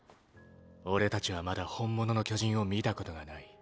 俺たちはまだ本物の巨人を見たことがない。